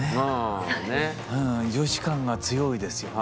女子感が強いですよね。